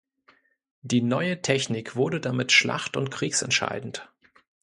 Die neue Technik wurde damit schlacht- und kriegsentscheidend.